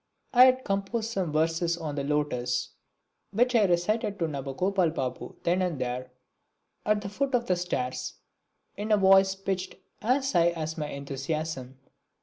I had composed some verses on The Lotus which I recited to Nabagopal Babu then and there, at the foot of the stairs, in a voice pitched as high as my enthusiasm.